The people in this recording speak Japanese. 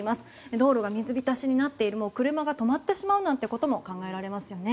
道路が水浸しになっている車が止まってしまうなんてことも考えられますよね。